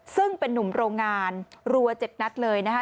ซึ่งเป็นนุ่มโรงงานรัว๗นัดเลยนะคะ